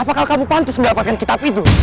apakah kamu pantis mendapatkan kitab itu